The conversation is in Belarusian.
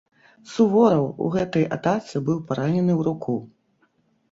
Сувораў у гэтай атацы быў паранены ў руку.